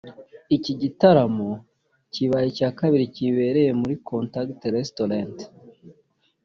Iki gitaramo kibaye icya kabiri kibereye muri Contact Restaurant